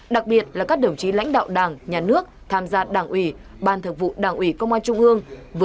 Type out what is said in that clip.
đặc biệt là các đồng chí lãnh đạo đảng nhà nước tham gia đảng ủy ban thượng vụ đảng ủy công an trung ương